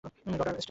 Radar station.